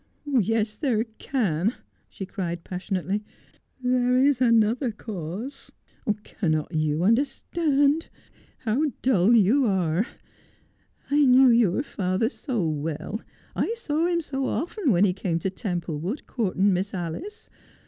Yes, there can,' she cried passionately. ' There is another I7i Just as I Jm. cause. Cannot you understand ? How dull you are ! I knew your father so well, I saw him so often, when he came to Temple wood courting Miss Alice.